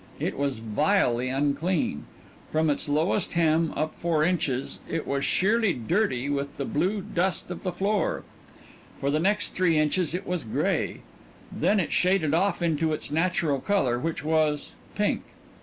It was vilely unclean. From its lowest hem up four inches it was sheerly dirty with the blue dust of the floor; for the next three inches it was gray then it shaded off into its natural color, which was pink.